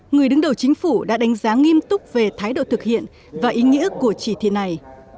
người đứng đầu chính phủ đã đánh giá nghiêm túc về thái độ thực hiện và ý nghĩa của chỉ thị này